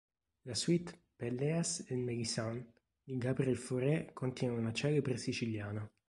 La suite "Pelléas et Mélisande" di Gabriel Fauré contiene una celebre siciliana.